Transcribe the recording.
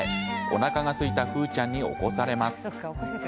おなかがすいた楓ちゃんに起こされます。